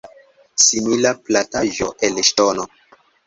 Simila plataĵo el ŝtono.